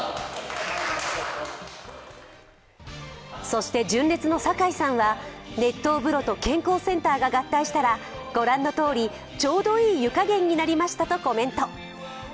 そして純烈の酒井さんは、熱湯風呂と健康センターが合体したら合体したら御覧のとおり、ちょうどいい湯加減になりましたとコメント。